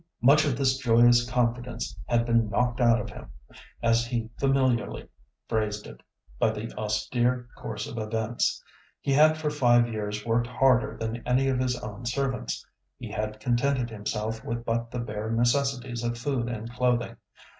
Much of this joyous confidence had been "knocked out of him"—as he familiarly phrased it—by the austere course of events. He had for five years worked harder than any of his own servants. He had contented himself with but the bare necessaries of food and clothing.